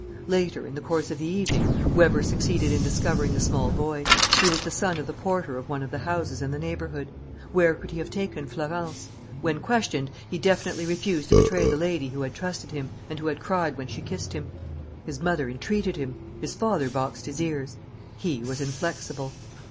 Later, in the course of the evening, Weber succeeded in discovering the small boy. He was the son of the porter of one of the houses in the neighbourhood. Where could he have taken Florence? When questioned, he definitely refused to betray the lady who had trusted him and who had cried when she kissed him. His mother entreated him. His father boxed his ears. He was inflexible.